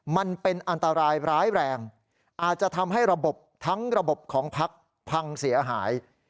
มันเป็นอันตรายร้ายแรงอาจจะทำให้ระบบทั้งระบบของพักพังเสียหาย